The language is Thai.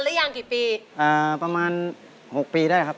เพลงนี้สี่หมื่นบาทเอามาดูกันนะครับ